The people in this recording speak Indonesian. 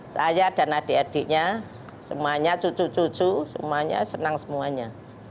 saya dan adik adiknya semuanya cucu cucu semuanya senang semuanya